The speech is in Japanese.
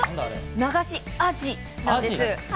流しアジなんです。